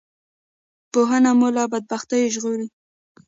پوهنه مو له بدبختیو ژغوری